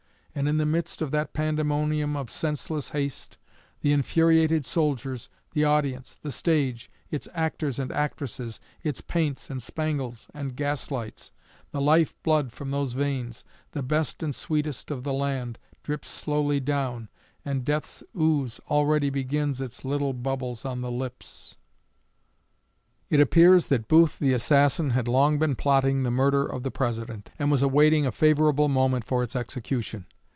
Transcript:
And in the midst of that pandemonium of senseless haste the infuriated soldiers, the audience, the stage, its actors and actresses, its paints and spangles and gaslights, the life blood from those veins, the best and sweetest of the land, drips slowly down, and death's ooze already begins its little bubbles on the lips." It appears that Booth, the assassin, had long been plotting the murder of the President, and was awaiting a favorable moment for its execution.